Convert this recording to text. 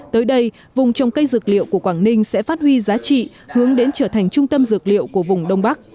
tới đây vùng trồng cây dược liệu của quảng ninh sẽ phát huy giá trị hướng đến trở thành trung tâm dược liệu của vùng đông bắc